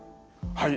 はい。